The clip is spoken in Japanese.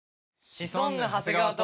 シソンヌ長谷川×